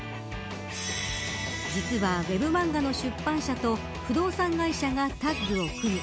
実は、ウェブ漫画の出版社と不動産会社がタッグを組み